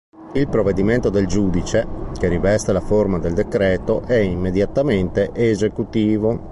Il provvedimento del giudice, che riveste la forma del decreto è immediatamente esecutivo.